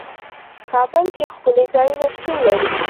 کابل کې ښکلي ځايونه شتون لري.